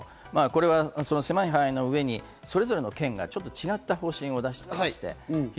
狭い範囲の上にそれぞれの県がちょっと違った方針を出していたんですね。